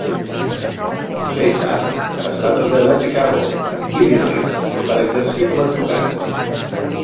Més tard, es va traslladar a Chicago, Illinois per exercir com a advocat.